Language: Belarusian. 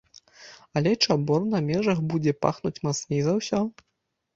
Але чабор на межах будзе пахнуць мацней за ўсё.